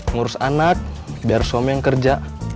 ngurus anak biar suami yang kerja